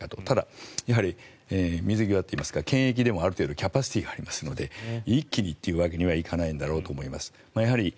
ただ、やはり水際といいますか検疫でもキャパシティーがありますので一気にというわけにはいかないんだろうと思います。